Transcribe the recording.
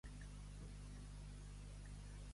Ser un xarlatà.